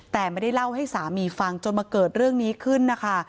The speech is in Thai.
แต่ไม่ได้เล่าให้สามีฟังจนมาเกิดเรื่องนี้ขึ้นนะคะ